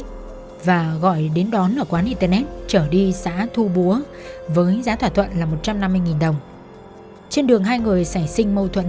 cảm ơn các bạn đã theo dõi